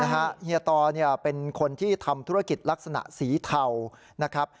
เฮียตอเป็นคนที่ทำธุรกิจลักษณะสีเทานะครับ